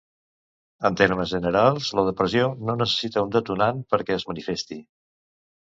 En termes generals, la depressió no necessita un detonant perquè es manifesti.